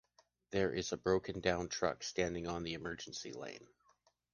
There is a broken down truck standing on the emergency lane.